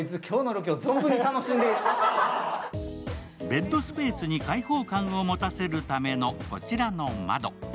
ベッドスペースに開放感を持たせるためのこちらの窓。